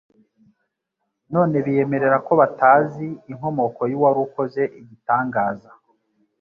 none biyemerera ko batazi inkomoko y'uwari ukoze igitangaza,